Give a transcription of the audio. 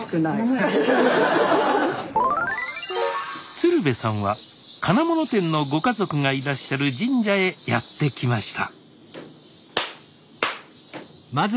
鶴瓶さんは金物店のご家族がいらっしゃる神社へやって来ました